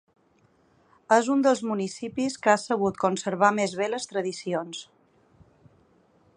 És un dels municipis que ha sabut conservar més bé les tradicions.